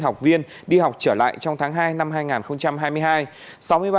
học viên đi học trở lại trong tháng hai năm hai nghìn hai mươi hai